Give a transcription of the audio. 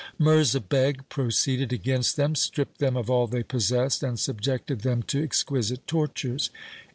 Mirza Beg proceeded against them, stripped them of all they possessed, and subjected them to ex quisite tortures.